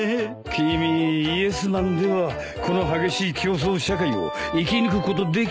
君イエスマンではこの激しい競争社会を生き抜くことできんよ。